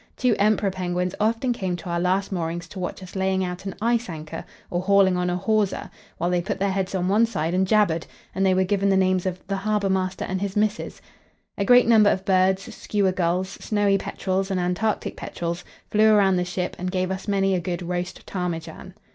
Two Emperor penguins often came to our last moorings to watch us laying out an ice anchor or hauling on a hawser, while they put their heads on one side and jabbered, and they were given the names of "the Harbour master and his Missis." A great number of birds, skua gulls, snowy petrels and Antarctic petrels, flew round the ship and gave us many a good "roast ptarmigan."